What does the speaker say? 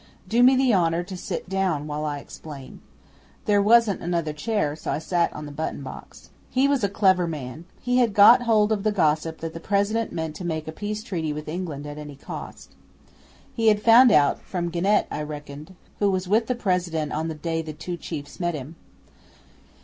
Do me the honour to sit down while I explain." 'There wasn't another chair, so I sat on the button box. 'He was a clever man. He had got hold of the gossip that the President meant to make a peace treaty with England at any cost. He had found out from Genet, I reckon, who was with the President on the day the two chiefs met him.